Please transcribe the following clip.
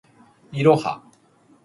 いろは